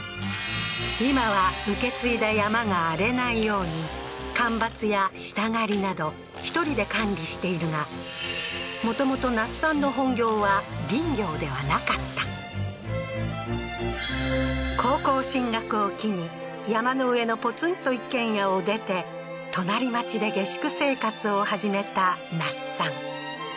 今は受け継いだ山が荒れないように間伐や下刈りなど１人で管理しているがもともと那須さんの高校進学を機に山の上のポツンと一軒家を出て隣町で下宿生活を始めた那須さん